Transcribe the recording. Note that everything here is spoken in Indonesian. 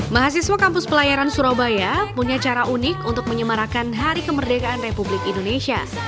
mahasiswa kampus pelayaran surabaya punya cara unik untuk menyemarakan hari kemerdekaan republik indonesia